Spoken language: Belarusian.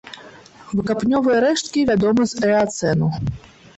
Выкапнёвыя рэшткі вядомы з эацэну.